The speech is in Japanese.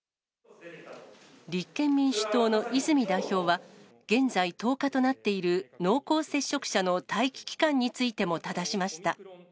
立憲民主党の泉代表は、現在、１０日となっている濃厚接触者の待機期間についてもただしました。